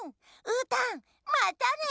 うーたんまたね。